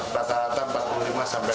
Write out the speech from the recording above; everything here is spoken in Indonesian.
rata rata empat puluh lima sampai lima puluh